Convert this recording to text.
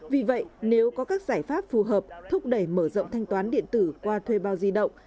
vì vậy nếu có các giải pháp phù hợp thúc đẩy mở rộng thanh toán điện tử qua thuê bao di động